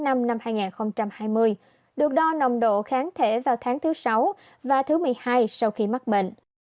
năm hai nghìn hai mươi được đo nồng độ kháng thể vào tháng thứ sáu và thứ một mươi hai sau khi mắc bệnh